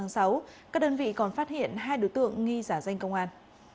các đơn vị còn phát hiện hai đối tượng nghi giả danh công an